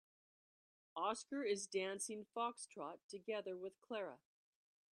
Oscar is dancing foxtrot together with Clara.